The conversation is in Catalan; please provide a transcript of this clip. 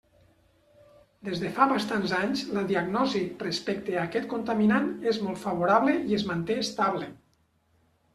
Des de fa bastants anys la diagnosi respecte a aquest contaminant és molt favorable i es manté estable.